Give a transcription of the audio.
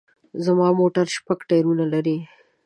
زما موټر شپږ ټیرونه لري